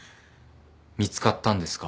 見つかったんですか？